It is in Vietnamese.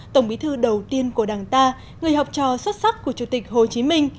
tổng bí thư đầu tiên của đảng ta người học trò xuất sắc của chủ tịch hồ chí minh